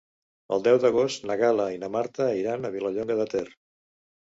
El deu d'agost na Gal·la i na Marta iran a Vilallonga de Ter.